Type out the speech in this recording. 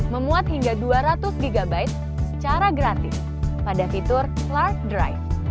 memuat hingga dua ratus gb secara gratis pada fitur clark drive